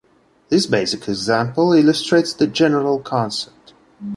This basic example illustrates the general concept.